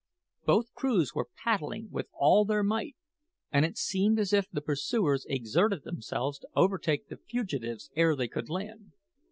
Both crews were paddling with all their might, and it seemed as if the pursuers exerted themselves to overtake the fugitives ere they could land.